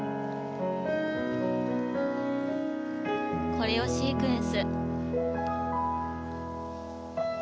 コレオシークエンス。